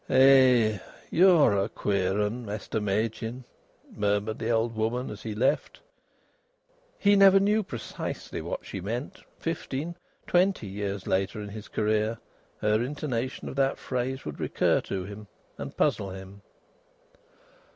"Eh, you're a queer 'un, Mester Machin!" murmured the old woman as he left. He never knew precisely what she meant. Fifteen twenty years later in his career her intonation of that phrase would recur to him and puzzle him.